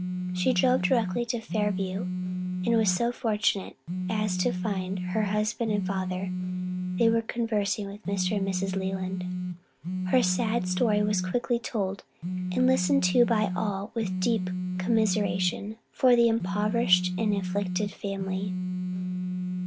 She drove directly to Fairview and was so fortunate as to find her husband and father there conversing with Mr. and Mrs. Leland. Her sad story was quickly told, and listened to by all with deep commiseration for the impoverished and afflicted family.